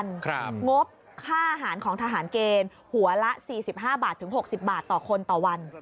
งบค่าอาหารของทหารเกณฑ์หัวละ๔๕บาทถึง๖๐บาทต่อคนต่อวัน